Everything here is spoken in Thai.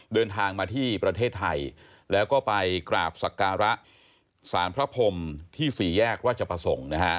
เดินทางมาที่ประเทศไทยแล้วก็ไปกราบสักการะสารพระพรมที่สี่แยกราชประสงค์นะฮะ